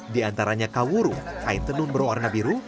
di antaranya kawuru kain tenun berwarna biru